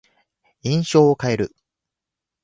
印象を変える。